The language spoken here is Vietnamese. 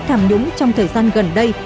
tham nhũng trong thời gian gần đây